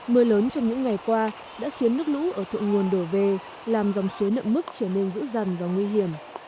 mưa lớn trong những ngày qua đã khiến nước lũ ở thượng nguồn đổ về làm dòng suối nợ mức trở nên dữ dằn và nguy hiểm